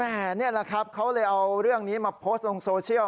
นี่แหละครับเขาเลยเอาเรื่องนี้มาโพสต์ลงโซเชียล